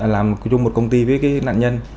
làm chung một công ty với nạn nhân